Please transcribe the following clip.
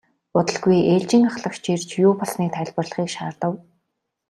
Удалгүй ээлжийн ахлагч ирж юу болсныг тайлбарлахыг шаардав.